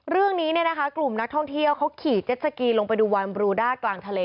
เรื่องนี้กลุ่มนักท่องเที่ยวเขาขี่เจ็ดสกีลงไปดูวานบรูด้ากลางทะเล